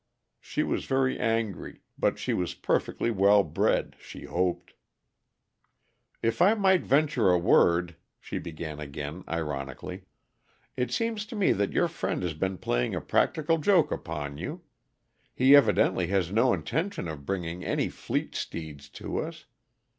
She was very angry, but she was perfectly well bred, she hoped. "If I might venture a word," she began again ironically, "it seems to me that your friend has been playing a practical joke upon you. He evidently has no intention of bringing any fleet steeds to us.